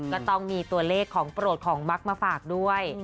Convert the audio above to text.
ก็ต้องมีตัวเลขของโปรดของมักมาฝากด้วย